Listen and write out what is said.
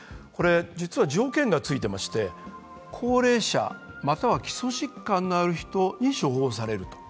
実は条件がついてまして、高齢者または基礎疾患のある人に処方されると。